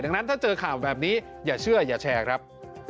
ดังนั้นถ้าเจอข่าวแบบนี้อย่าเชื่ออย่าแชร์ครับ